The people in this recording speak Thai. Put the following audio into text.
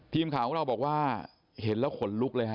ทีมข่าวของเราบอกว่าเห็นแล้วขนลุกเลยฮะ